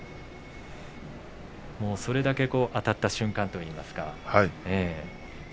それだけあたった瞬間といいますか。